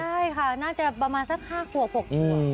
ใช่ค่ะน่าจะประมาณสัก๕ขวบกว่า